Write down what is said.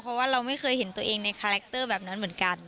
เพราะว่าเราไม่เคยเห็นตัวเองในคาแรคเตอร์แบบนั้นเหมือนกัน